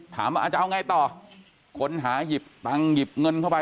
อาจจะเอาไงต่อคนหาหยิบตังค์หยิบเงินเข้าไป